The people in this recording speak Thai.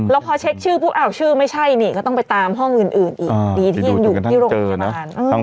แล้วพอเช็คชื่อปุ๊บชื่อไม่ใช่นี่ก็ต้องไปตามห้องอื่นอีกดีที่ยังอยู่ที่โรงพยาบาล